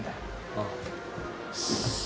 ああ。